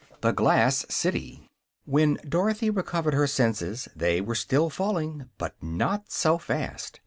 THE GLASS CITY When Dorothy recovered her senses they were still falling, but not so fast.